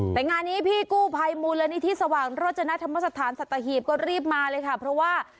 แต่งานนี้พี่กู้ภัยมูลนิธิสว่างโรจนธรรมสถานสัตหีบก็รีบมาเลยค่ะเพราะว่า